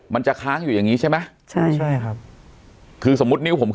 มันจะค้างอยู่อย่างนี้ใช่ไหม